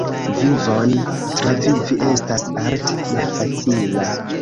Vivon travivi estas art' malfacila.